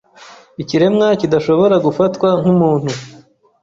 ikiremwa kidashobora gufatwa nkumuntu